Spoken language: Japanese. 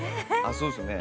そうですね。